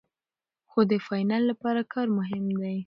خو د فاینل لپاره کار مهم دی.